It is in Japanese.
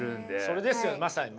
それですよまさにね。